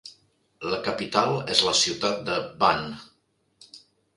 La capital és la ciutat de Van.